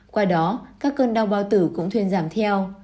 qua đó các cơn đau bao tử cũng thuyên giảm theo